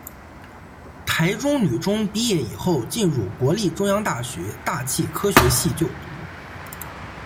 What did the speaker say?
台中女中毕业以后进入国立中央大学大气科学系就读。